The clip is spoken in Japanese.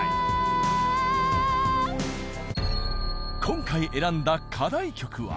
今回選んだ課題曲は。